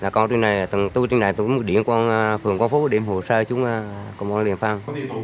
còn tôi tức là tôi đi đến phường quang phúc để hỗ trợ chung công an liên phạm